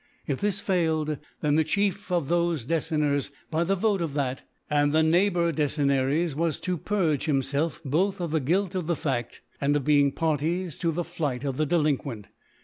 If this faikd, then the Chief of thofe Dccenoers, by the Vote of that and the Neighbour Decennaries^ was to purg^ himfelf both of the Guilt of che Fa£t^ and t)f bemg^ Parties to the Ffight of the Defin quent.